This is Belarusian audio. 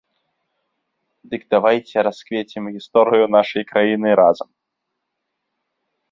Дык давайце расквецім гісторыю нашай краіны разам!